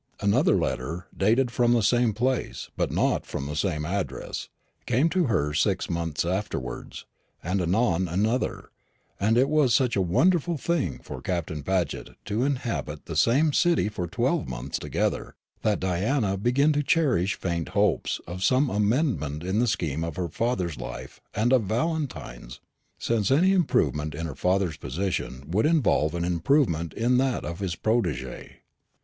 Another letter, dated from the same place, but not from the same address, came to her six months afterwards, and anon another; and it was such a wonderful thing for Captain Paget to inhabit the same city for twelve months together, that Diana began to cherish faint hopes of some amendment in the scheme of her father's life and of Valentine's, since any improvement in her father's position would involve an improvement in that of his protégé.